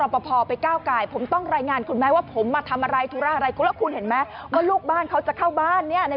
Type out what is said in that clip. บ้านเขาก็เข้าไม่ได้